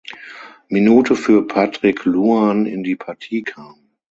Minute für Patrick Luan in die Partie kam.